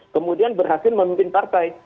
kemudian berhasil memimpin partai